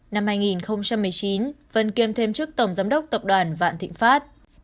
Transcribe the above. năm hai nghìn một mươi chín vân kiêm thêm chức tổng giám đốc tập đoàn vạn thịnh pháp